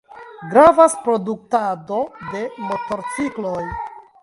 Gravas produktado de motorcikloj.